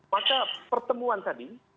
maka pertemuan tadi